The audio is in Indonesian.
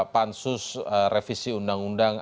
pansus revisi undang undang